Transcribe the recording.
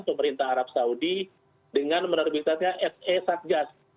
pemerintah arab saudi dengan menerbitkan se satgas